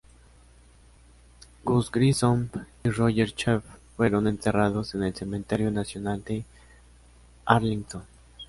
Gus Grissom y Roger Chaffee fueron enterrados en el Cementerio Nacional de Arlington.